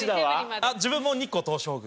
あっ自分も日光東照宮。